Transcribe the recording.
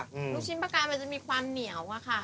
ลูกชิ้นปลากายมันจะมีความเหนียวอะค่ะ